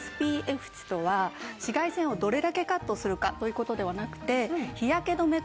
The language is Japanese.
ＳＰＦ値とは紫外線をどれだけカットするかという事ではなくて日焼け止め